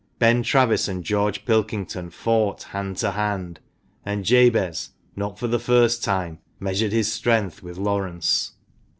Ben Travis and George Pilkington fought hand to hand, and Jabez — not for the first time — measured his strength with Laurence.